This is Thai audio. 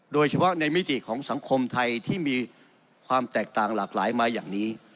โดยเฉพาะในมิติของสังคมไทยที่มีความแตกต่างหลากหลายมาอย่างนี้